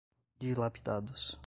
dilapidados